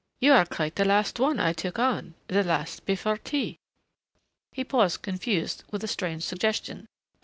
"You are quite the last one I took on the last before tea." He paused confused with a strange suggestion....